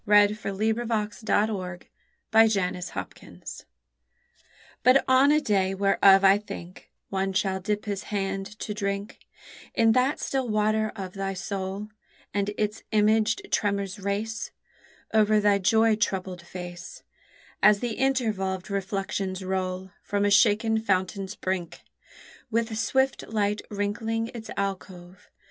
A FORETELLING OF THE CHILD'S HUSBAND But on a day whereof I think, One shall dip his hand to drink In that still water of thy soul, And its imaged tremors race Over thy joy troubled face, As the intervolved reflections roll From a shaken fountain's brink, With swift light wrinkling its alcove.